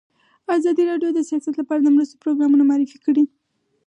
ازادي راډیو د سیاست لپاره د مرستو پروګرامونه معرفي کړي.